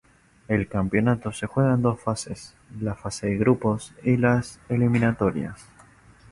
El campeonato se juega en dos fases, la fase de grupos y las eliminatorias.